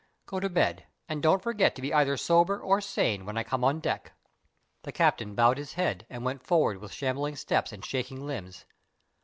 Go to bed, and don't forget to be either sober or sane when I come on deck." The captain bowed his head, and went forward with shambling steps and shaking limbs.